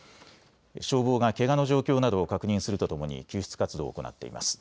消防がけがの状況などを確認するとともに救出活動を行っています。